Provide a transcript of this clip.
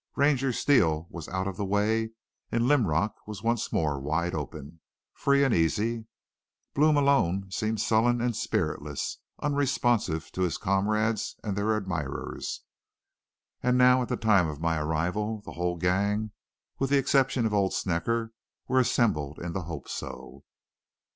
Ranger Steele was out of the way and Linrock was once more wide open, free and easy. Blome alone seemed sullen and spiritless, unresponsive to his comrades and their admirers. And now, at the time of my arrival, the whole gang, with the exception of old Snecker, were assembled in the Hope So.